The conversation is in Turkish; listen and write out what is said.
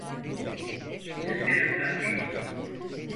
Üzgünüm patron.